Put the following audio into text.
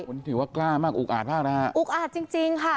ผมถือว่ากล้ามากอุ้กอาดมากนะคะอุ้กอาดจริงค่ะ